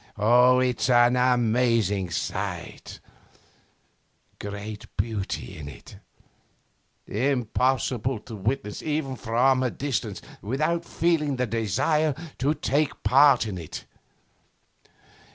It's an amazing sight, great beauty in it, impossible to witness even from a distance without feeling the desire to take part in it.